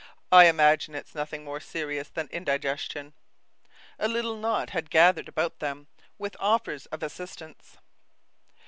"I imagine it's nothing more serious than indigestion." A little knot had gathered about them, with offers of assistance.